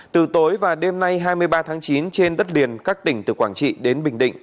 từ tối và đêm nay hai mươi ba tháng chín trên đất liền các tỉnh từ quảng trị đến bình định